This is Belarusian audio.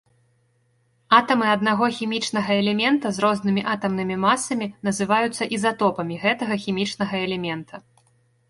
Атамы аднаго хімічнага элемента з рознымі атамнымі масамі, называюцца ізатопамі гэтага хімічнага элемента.